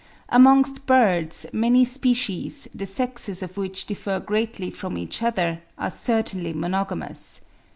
Amongst birds, many species, the sexes of which differ greatly from each other, are certainly monogamous.